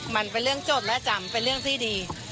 มันเป็นเรื่องจดและจำเป็นเรื่องที่ดี